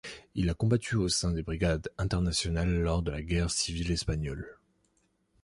Il a combattu au sein des Brigades internationales lors de la guerre civile espagnole.